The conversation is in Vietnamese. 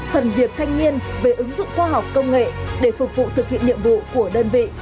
phần việc thanh niên về ứng dụng khoa học công nghệ để phục vụ thực hiện nhiệm vụ của đơn vị